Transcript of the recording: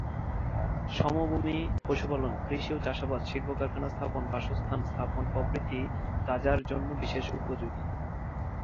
সমভূমি পশুপালন, কৃষি ও চাষাবাদ শিল্পকারখানা স্থাপন, বাসস্থান স্থাপন প্রভৃতি কাজার জন্য বিশেষ উপযোগী।